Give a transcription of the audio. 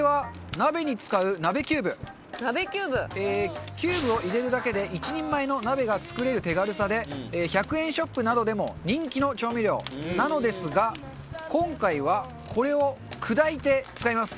中丸：キューブを入れるだけで１人前の鍋が作れる手軽さで１００円ショップなどでも人気の調味料なのですが今回は、これを砕いて使います。